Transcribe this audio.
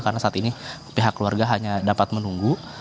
karena saat ini pihak keluarga hanya dapat menunggu